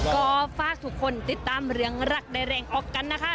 ก็ฝากทุกคนติดตามเรื่องรักได้แรงออกกันนะคะ